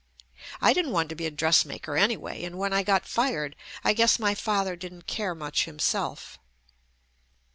I didn't want to be a dressmaker anyway, and when I got fired I guess my father didn't care much himself.